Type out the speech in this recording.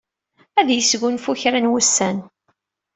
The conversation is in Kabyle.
Ad yesgunfu kra n wussan.